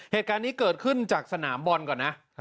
เหตุการณ์นี้เกิดขึ้นจากสนามบอลก่อนนะ